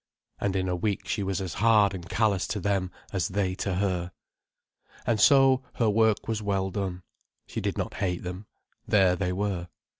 And in a week she was as hard and callous to them as they to her. And so her work was well done. She did not hate them. There they were.